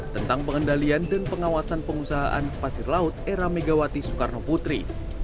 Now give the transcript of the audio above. tentang pengendalian dan pengawasan pengusahaan pasir laut era megawati soekarno putri